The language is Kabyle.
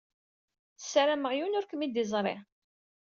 Sarameɣ yiwen ur kem-id-iẓṛi.